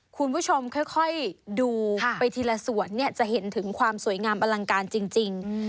คุณผู้ชมค่อยดูไปทีละส่วนเนี่ยจะเห็นถึงความสวยงามอลังการจริง